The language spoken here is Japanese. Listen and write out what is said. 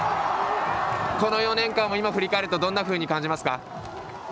この４年間を今、振り返るとどんなふうに感じますか。